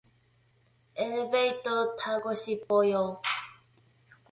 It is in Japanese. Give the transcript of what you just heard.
엘레베이터타고싶어요